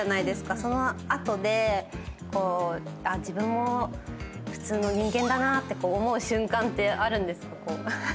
その後で自分も普通の人間だなって思う瞬間ってあるんですか？